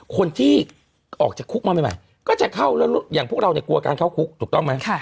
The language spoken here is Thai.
คนที่ออกจากคุกมาใหม่ก็จะเข้าแล้วอย่างพวกเราเนี่ยกลัวการเข้าคุกถูกต้องไหม